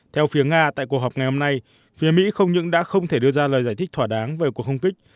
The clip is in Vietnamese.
theo phía nga tại cuộc họp ngày hôm nay phía mỹ không những đã không thể đưa ra lời giải thích thỏa đáng về cuộc không kích